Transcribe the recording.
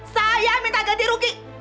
saya minta ganti rugi